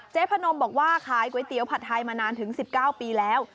พนมบอกว่าขายก๋วยเตี๋ยวผัดไทยมานานถึง๑๙ปีแล้ว